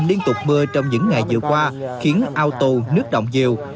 liên tục mưa trong những ngày vừa qua khiến ao tù nước động diều